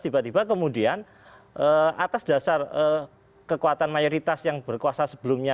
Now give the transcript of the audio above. tiba tiba kemudian atas dasar kekuatan mayoritas yang berkuasa sebelumnya